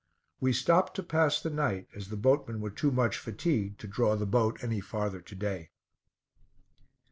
We stopped to pass the night, as the boatmen were too much fatigued to draw the boat any farther to day.